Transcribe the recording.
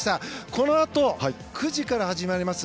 このあと９時から始まります